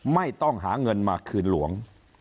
ไม่ต้องหาเงินมาคืนหลวง